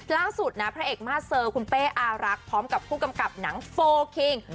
ล่าสุดนะพระเอกมาสเซอร์คุณเป้อารักษ์พร้อมกับผู้กำกับหนังโฟลคิง